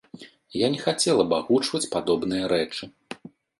Я не хацела б агучваць падобныя рэчы.